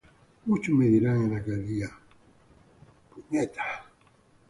Muchos me dirán en aquel día: Señor, Señor,